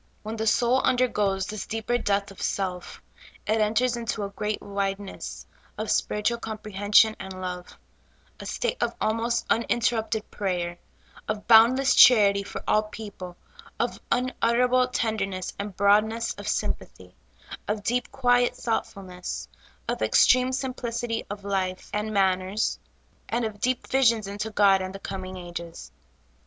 When the soul undergoes this deeper death of self, it enters into a great wideness of spiritual comprehension and love ; a state of almost uninterrupted prayer ; of boundless charity for all people ; of unutterable ten derness and broadness of sympathy ; of deep, quiet thoughtfulness ; of extreme simplicity of life and manners ; and of deep visions into God and the com ing ages.